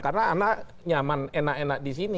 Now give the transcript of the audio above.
karena anak nyaman enak enak di sini